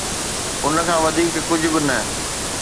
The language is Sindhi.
ان کان وڌيڪ ڪجھ به نه.